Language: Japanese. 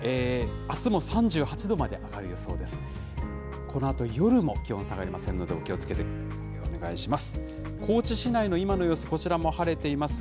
あすも３８度まで上がる予想です。